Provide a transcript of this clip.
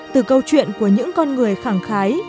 từ câu chuyện của những con người khẳng khái